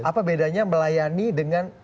apa bedanya melayani dengan